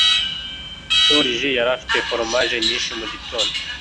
Joriji yari afite foromaje nyinshi mugitondo.